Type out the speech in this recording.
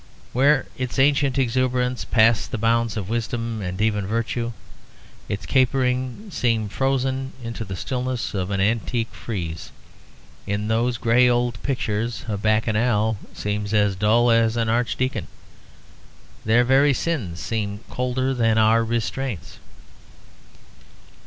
Where its ancient exuberance passed the bounds of wisdom and even of virtue, its caperings seem frozen into the stillness of an antique frieze. In those gray old pictures a bacchanal seems as dull as an archdeacon. Their very sins seem colder than our restraints.